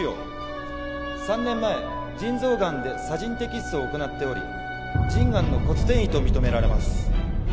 ３年前腎臓がんで左腎摘出を行っており腎がんの骨転移と認められます。